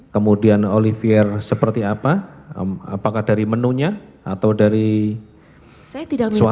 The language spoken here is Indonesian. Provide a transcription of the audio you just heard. kemudian oliver seperti apa apakah dari menunya atau dari suasananya